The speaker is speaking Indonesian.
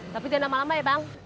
tapi jangan lama lama ya bang